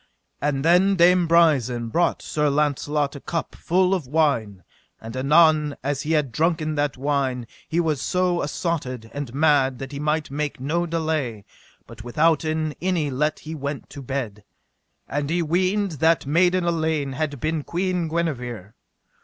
And then Dame Brisen brought Sir Launcelot a cup full of wine; and anon as he had drunken that wine he was so assotted and mad that he might make no delay, but withouten any let he went to bed; and he weened that maiden Elaine had been Queen Guenever.